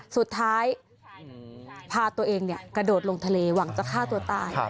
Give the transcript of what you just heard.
สุดท้ายพาตัวเองกระโดดลงทะเลหวังจะฆ่าตัวตาย